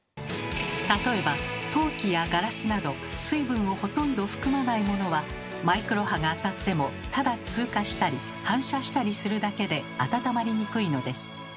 例えば陶器やガラスなど水分をほとんど含まないものはマイクロ波が当たってもただ通過したり反射したりするだけで温まりにくいのです。